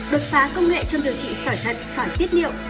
đột phá công nghệ trong điều trị sòi thật sòi tiết liệu